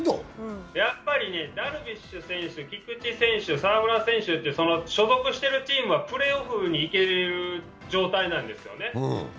やっぱりダルビッシュ選手、菊池選手、澤村選手の所属してるチームはプレーオフに行ける状態なんですよね。